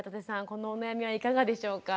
このお悩みはいかがでしょうか？